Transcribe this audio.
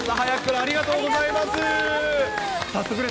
ありがとうございます。